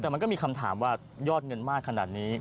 แต่มันก็มีคำถามว่ายอดเงินมากขนาดนี้